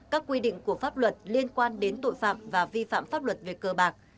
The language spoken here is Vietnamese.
các quy định của pháp luật liên quan đến tội phạm và vi phạm pháp luật về cờ bạc